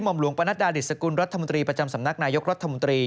หลวงประนัดดาดิสกุลรัฐมนตรีประจำสำนักนายกรัฐมนตรี